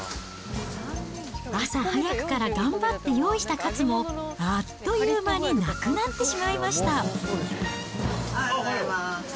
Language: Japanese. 朝早くから頑張って用意した数もあっという間になくなってしおはようございます。